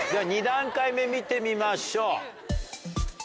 ２段階目見てみましょう。